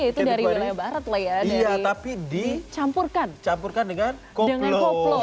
itu dari wilayah barat lah ya tapi dicampurkan dengan koplo